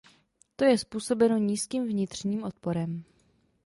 To je způsobeno nízkým vnitřním odporem.